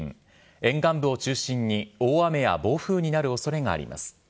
沿岸部を中心に大雨や暴風になるおそれがあります。